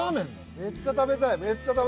めっちゃ食べたい。